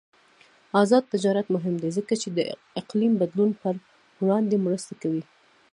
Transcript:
آزاد تجارت مهم دی ځکه چې د اقلیم بدلون پر وړاندې مرسته کوي.